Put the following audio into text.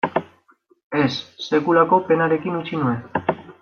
Ez, sekulako penarekin utzi nuen.